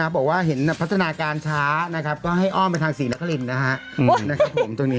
บอกว่าเห็นพัฒนาการช้าขอให้อ้อมไปทางศรีนคลิมน์นะครับ